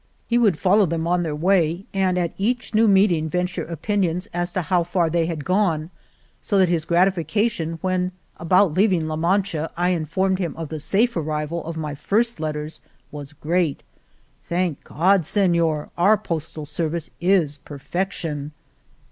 He would follow them on their way, and at each new meeting venture opinions as to how far they had gone, so that his gratification, when about leaving La Mancha I informed him of the safe arrival of my first letters, was great. "Thank God ! Senior, our postal ser vice is perfection